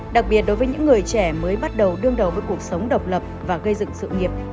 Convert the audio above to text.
đặc biệt đối với những người trẻ mới bắt đầu đương đầu với cuộc sống độc lập và gây dựng sự nghiệp